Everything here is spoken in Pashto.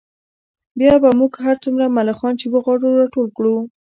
بیا به موږ هر څومره ملخان چې وغواړو راټول کړو